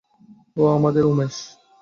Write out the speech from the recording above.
ও আমাদের উমেশ।